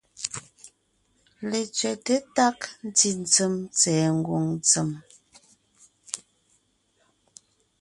Letsẅɛ́te tág ntí ntsèm tsɛ̀ɛ ngwòŋ ntsèm,